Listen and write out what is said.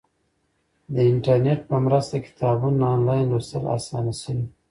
د انټرنیټ په مرسته کتابونه آنلاین لوستل اسانه شوي.